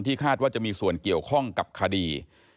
คาดว่าจะมีส่วนเกี่ยวข้องกับคดี